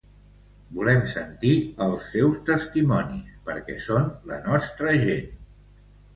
Volem sentir els seus testimonis, perquè són la nostra gent.